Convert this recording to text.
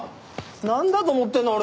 なんだと思ってんの？